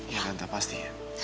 ya tante pasti ya